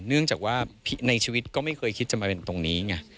เนื่องจากว่าในชีวิตก็ไม่เคยคิดจะมาเป็นตรงนี้ไง